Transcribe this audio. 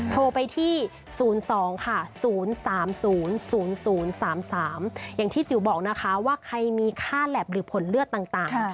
โทรไปที่๐๒ค่ะ๐๓๐๐๓๓อย่างที่จิ๋วบอกนะคะว่าใครมีค่าแล็บหรือผลเลือดต่าง